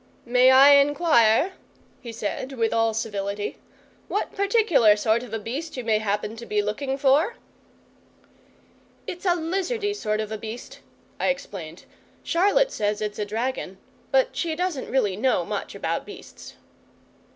"May I inquire," he said, with all civility, "what particular sort of a Beast you may happen to be looking for?" "It's a LIZARDY sort of Beast," I explained. "Charlotte says it's a dragon, but she doesn't really know much about beasts."